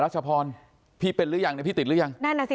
รัชพรพี่เป็นหรือยังพี่ติดหรือยัง